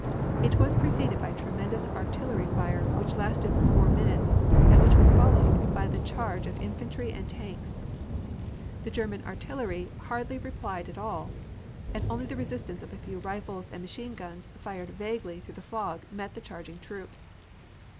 It was preceded by tremendous artillery fire which lasted for four minutes, and which was followed by the charge of infantry and tanks. The German artillery hardly replied at all, and only the resistance of a few rifles and machine guns fired vaguely through the fog met the charging troops.